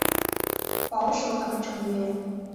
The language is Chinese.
保守党成员。